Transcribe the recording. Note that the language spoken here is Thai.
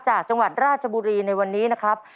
จากจังหวัดราชบุรีในวันนี้นะครับ